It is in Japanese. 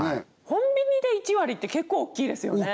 コンビニで１割って大きいですよね